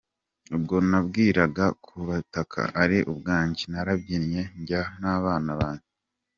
Ubwo nabwirwaga ko ubutaka ari ubwanjye narabyinnye njya n’abana banjye.